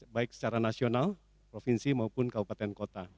baik secara nasional provinsi maupun kabupaten kota